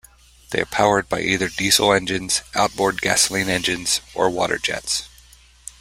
They are powered by either diesel engines, out-board gasoline engines, or waterjets.